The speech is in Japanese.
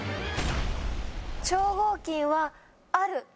「超合金」はある。